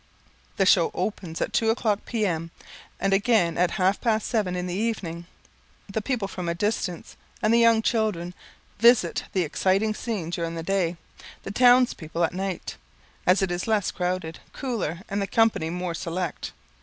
The show opens at two o'clock, P.M., and again at half past seven in the evening. The people from a distance, and the young children, visit the exciting scene during the day; the town's people at night, as it is less crowded, cooler, and the company more select.